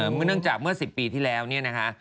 เนื่องจากเมื่อ๑๐ปีที่แล้วเนี่ยนะคะ